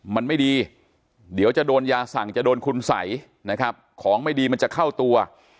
มันไม่ดีเดี๋ยวจะโดนยาสั่งจะโดนคุณสัยนะครับของไม่ดีมันจะเข้าตัว